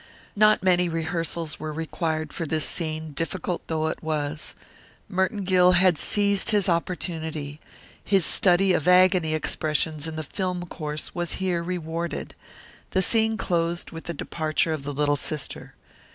Not many rehearsals were required for this scene, difficult though it was. Merton Gill had seized his opportunity. His study of agony expressions in the film course was here rewarded. The scene closed with the departure of the little sister.